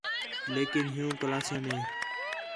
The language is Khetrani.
لیکن ہِیو کلاسیاں نے